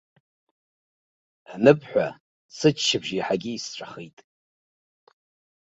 Аныбҳәа, сыччаԥшь иаҳагьы исҵәахит.